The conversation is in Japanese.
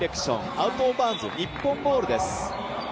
アウト・オブ・バウンズ、日本ボールです。